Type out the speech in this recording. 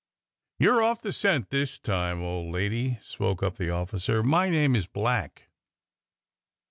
You 're off the scent this time, old lady," spoke up the officer. My name is Black."